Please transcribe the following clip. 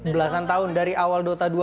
belasan tahun dari awal dota dua ada